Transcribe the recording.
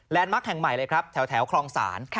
แลนด์มักแห่งใหม่เลยครับแถวครองศาล